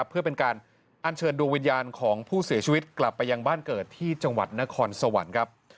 เพื่อเป็นการอัญเชิญดวงวิญญาณของผู้เสียชีวิตกลับไปยังบ้านเกิดที่จังหวัดนครสวรรค์ครับ